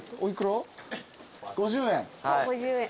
５０円。